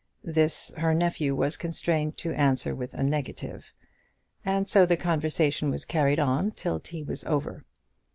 This her nephew was constrained to answer with a negative, and so the conversation was carried on till tea was over.